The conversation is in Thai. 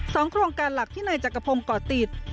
โครงการหลักที่นายจักรพงศ์ก่อติด